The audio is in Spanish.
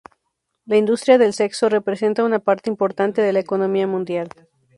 La industria del sexo representa una parte importante de la economía mundial.